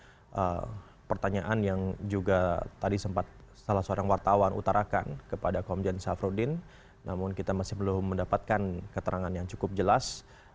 ada pertanyaan yang juga tadi sempat salah seorang wartawan utarakan kepada komjen syafruddin namun kita masih belum mendapatkan keterangan yang cukup jelas